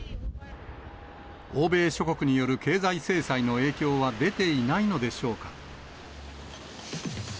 欧米諸国による経済制裁の影響は出ていないのでしょうか。